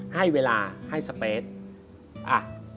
ให้เวลาให้พื้นที่